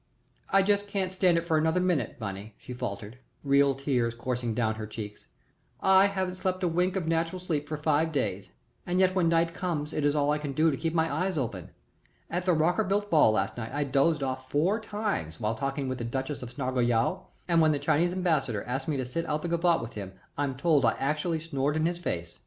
"I just can't stand it for another minute, Bunny," she faltered, real tears coursing down her cheeks. "I haven't slept a wink of natural sleep for five days, and yet when night comes it is all I can do to keep my eyes open. At the Rockerbilt ball last night I dozed off four times while talking with the Duchess of Snarleyow, and when the Chinese Ambassador asked me to sit out the gavotte with him I'm told I actually snored in his face.